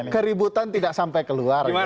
keributan tidak sampai keluar